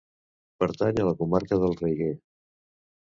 Pertany a la comarca del Raiguer.